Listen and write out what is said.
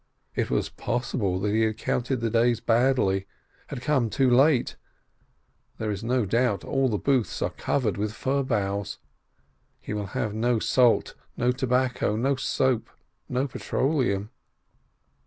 It was possible that he had counted the days badly — had come too late! There is no doubt: all the booths are covered with fir boughs. He will have no salt, no tobacco, no soap, and no petroleum.